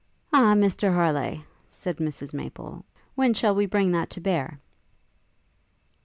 'Ah, Mr Harleigh,' said Mrs Maple, 'when shall we bring that to bear?'